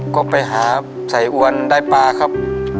ก็ไปหาใส่อ้วนได้ปลาครับ